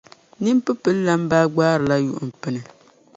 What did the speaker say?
Nin’ pipililana baa gbaarila yuɣimpini.